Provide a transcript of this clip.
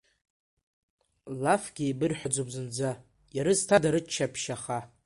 Лафкгьы еибырҳәаӡом зынӡа, ирызҭада рыччаԥшь аха?